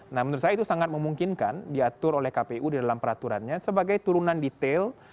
nah menurut saya itu sangat memungkinkan diatur oleh kpu di dalam peraturannya sebagai turunan detail